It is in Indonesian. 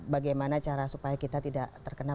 bagaimana cara supaya kita tidak terkena